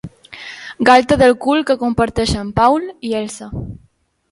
Galta del cul que comparteixen Paul i Elsa.